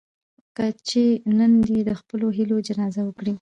کچې نن دې د خپلو هيلو جنازه وکړه.